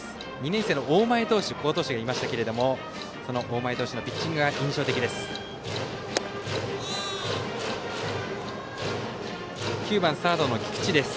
２年生の大前投手好投手がいましたけれどもその大前投手のピッチングが印象的です。